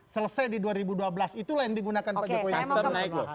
selesai di dua ribu dua belas itu yang digunakan pak jokowi